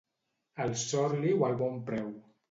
Al Sorli o al Bonpreu?